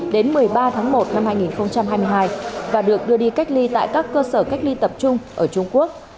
hai nghìn hai mươi một đến một mươi ba tháng một hai nghìn hai mươi hai và được đưa đi cách ly tại các cơ sở cách ly tập trung ở trung quốc